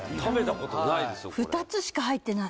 これ「２つしか入ってない」